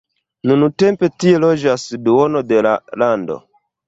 Nuntempe tie loĝas duono de la lando.